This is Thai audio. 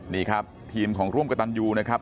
นี่ครับทีมของร่วมกระตันยูนะครับ